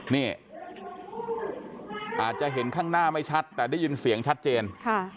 นี่อาจจะเห็นข้างหน้าไม่ชัดแต่ได้ยินเสียงชัดเจน